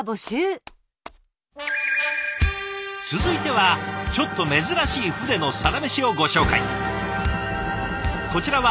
続いてはちょっと珍しい船のサラメシをご紹介。